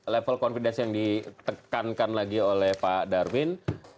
level confidence yang ditekankan lagi oleh pak darmin